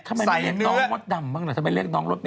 ทำไมไม่เลือกน้องรถเมทำไมไม่เลือกน้องรถเม